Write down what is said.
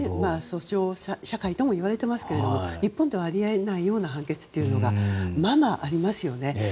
訴訟社会とはいわれていますけども日本ではあり得ないような判決がままありますよね。